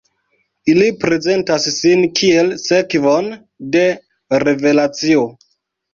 Ili prezentas sin kiel sekvon de revelacio.